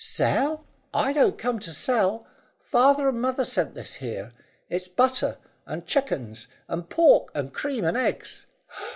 "Sell? I don't come to sell. Father and mother sent this here. It's butter, and chickuns, and pork, and cream, and eggs."